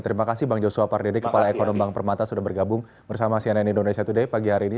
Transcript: terima kasih bang joshua pardede kepala ekonomi bank permata sudah bergabung bersama cnn indonesia today pagi hari ini